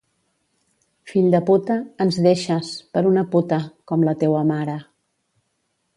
Fill de puta, ens deixes, per una puta, com la teua mare...